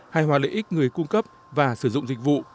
hài hòa lợi ích người cung cấp và sử dụng dịch vụ